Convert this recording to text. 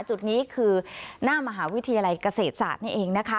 จุดนี้คือหน้ามหาวิทยาลัยเกษตรศาสตร์นี่เองนะคะ